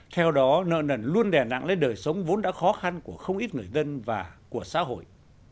theo đó nợ nần luôn đè nặng lên đời sống vốn đã khó khăn của không ít người dân và của xã hội